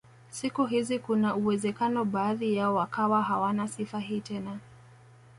Siku hizi kuna uwezekano baadhi yao wakawa hawana sifa hii tena